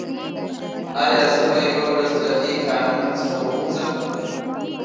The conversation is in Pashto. ایا زه به یوه ورځ له دې کانونو څخه ووځم